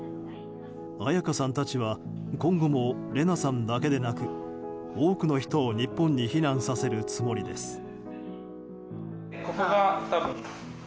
綾香さんたちは今後もレナさんだけでなく多くの人を日本に避難させるつもりです。